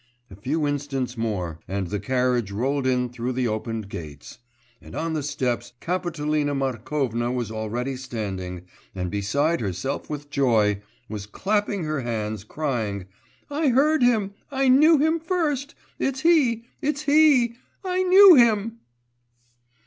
A few instants more ... and the carriage rolled in through the opened gates.... And on the steps Kapitolina Markovna was already standing, and beside herself with joy, was clapping her hands crying, 'I heard him, I knew him first! It's he! it's he!... I knew him!